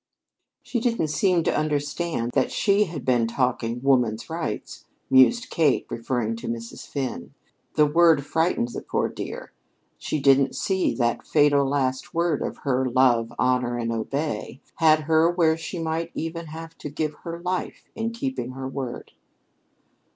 "She didn't seem to understand that she had been talking 'woman's rights,'" mused Kate, referring to Mrs. Finn. "The word frightened the poor dear. She didn't see that fatal last word of her 'love, honor, and obey' had her where she might even have to give her life in keeping her word."